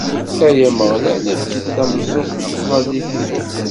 Ay Ameɣlal, efk-d tameẓẓuɣt i tẓallit-iw!